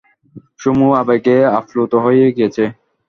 Sumo আবেগে আপ্লুত হয়ে গেছে।